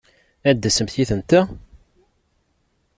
Ad d-tasemt yid-nteɣ!